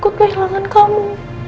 aku kehilangan kamu